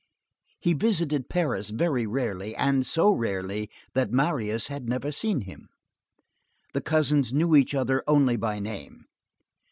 He visited Paris very rarely, and so rarely that Marius had never seen him. The cousins knew each other only by name.